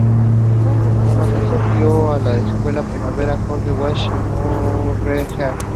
Thomas asistió a las escuelas primarias George Watts y Moorehead.